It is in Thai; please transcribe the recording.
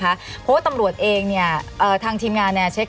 เพราะว่าตำรวจเองเนี่ยทางทีมงานเนี่ยเช็ค